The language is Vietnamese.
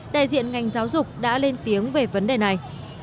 đại diện ngành giáo dục đã lên tiếng về vấn đề này